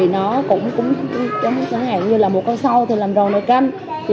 nó cũng giống như một con sâu làm ròn đầy canh